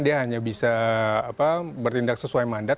dia hanya bisa bertindak sesuai mandat